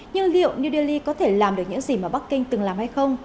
nhưng liệu new delhi có thể làm được những gì mà bắc kinh từng làm hay không